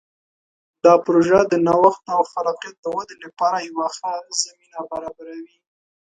دا پروژه د نوښت او خلاقیت د ودې لپاره یوه ښه زمینه برابروي.